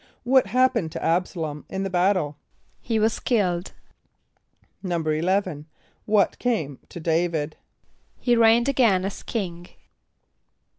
= What happened to [)A]b´sa l[)o]m in the battle? =He was killed.= =11.= What came to D[=a]´vid? =He reigned again as king.